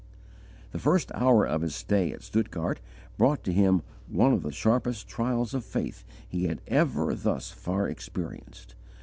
The first hour of his stay at Stuttgart brought to him one of the sharpest trials of faith he had ever thus far experienced.